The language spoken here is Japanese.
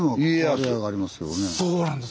そうなんです！